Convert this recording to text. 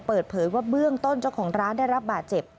เปิดเผยว่าเบื้องต้นเจ้าของร้านได้รับบาดเจ็บ